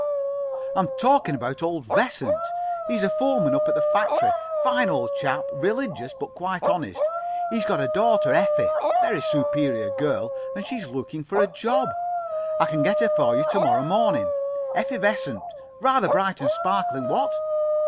"I'm talking about old Vessunt. He's a foreman. Up at the factory. Fine old chap. Religious but quite honest. He's got a daughter, Effie. Very superior girl. And she's looking for a job. I can get her for you to morrow morning. Effie Vessunt. Rather bright and sparkling, what?"